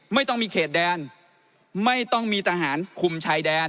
ไม่ต้องมีเขตแดนไม่ต้องมีทหารคุมชายแดน